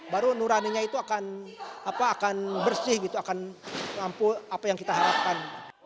baru uraninya itu akan bersih akan terampu apa yang kita harapkan